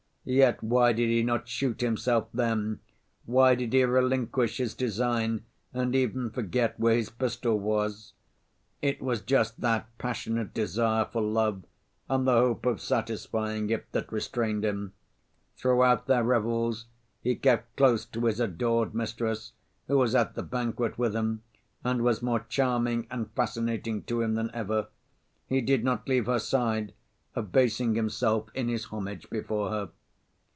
Yet why did he not shoot himself then, why did he relinquish his design and even forget where his pistol was? It was just that passionate desire for love and the hope of satisfying it that restrained him. Throughout their revels he kept close to his adored mistress, who was at the banquet with him and was more charming and fascinating to him than ever—he did not leave her side, abasing himself in his homage before her.